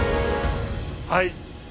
はい。